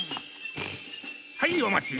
はいお待ち！